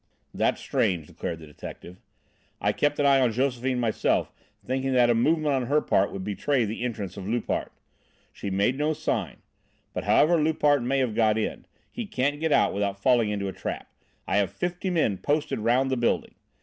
"That's strange," declared the detective. "I kept an eye on Josephine myself, thinking that a movement on her part would betray the entrance of Loupart. She made no sign; but, however Loupart may have got in, he can't get out without falling into a trap. I have fifty men posted round the building.